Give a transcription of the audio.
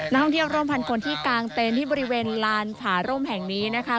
ท่องเที่ยวร่วมพันคนที่กางเต็นต์ที่บริเวณลานผาร่มแห่งนี้นะคะ